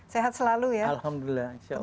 sehat selalu ya alhamdulillah insya allah